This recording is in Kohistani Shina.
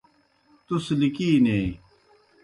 تُس لِکِینیئی۔